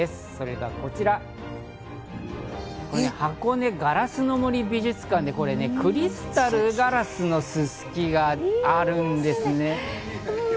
それがこちら、箱根ガラスの森美術館でクリスタル・ガラスのススキがあるんですね。